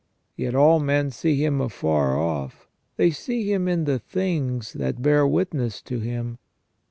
Yet all men see Him afar off, they see Him in the things that bear witness to Him.